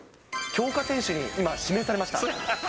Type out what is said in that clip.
強化選手に今、指名されました。